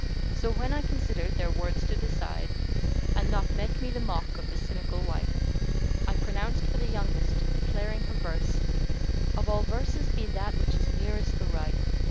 So when I considered their words to decide, * And not make me the mock of the cynical wight; I pronounced for the youngest, declaring her verse * Of all verses be that which is nearest the right.